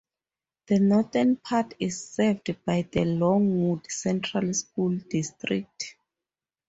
The northern part is served by the Longwood Central School District.